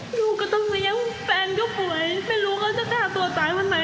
หนูก็ต้องเลี้ยงแฟนก็ป่วยไม่รู้เขาจะฆ่าตัวตายวันไหน